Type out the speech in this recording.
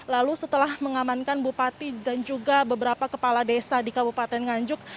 lalu setelah mengamankan bupati dan juga beberapa kepala desa di kabupaten nganjuk